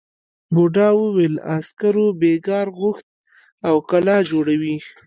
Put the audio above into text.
بوڊا وویل عسکرو بېگار غوښت او کلا جوړوي.